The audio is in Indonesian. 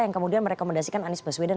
yang kemudian merekomendasikan anies baswedan